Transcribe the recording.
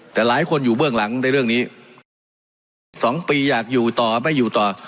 แต่หลายคนอยู่เบื้องหลังในเรื่องนี้๒ปีอยากอยู่ต่อไม่อยู่ต่อ